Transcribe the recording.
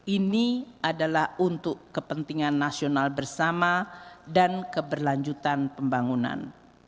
ini adalah untuk kepentingan nasional bersama dan keberlanjutan pembangunan